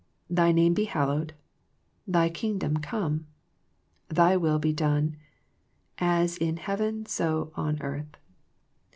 Thy name be hallowed, Thy Kingdom come, Thy will be done as in heaven so on earth.